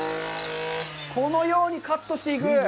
このようにカットしていく。